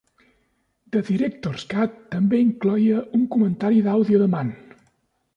The Director's Cut també incloïa un comentari d"àudio de Mann.